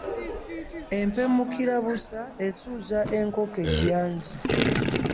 Empemukirabusa esuuza enkoko ejjanzi.